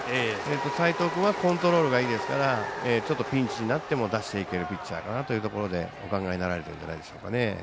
齋藤君はコントロールがいいですからちょっとピンチになっても出していけるピッチャーかなとお考えになられてるんじゃないでしょうか。